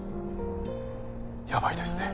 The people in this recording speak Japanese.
やばいですね。